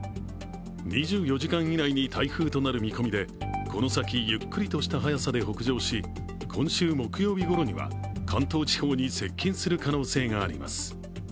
２４時間以内に台風となる見込みで、この先、ゆっくりとした速さで北上し、今週木曜日ごろには関東地方に接近する可能性があります。